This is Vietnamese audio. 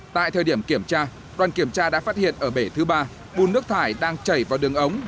tại thời điểm kiểm tra đoàn kiểm tra đã phát hiện ở bể thứ ba bùn nước thải đang chảy vào đường ống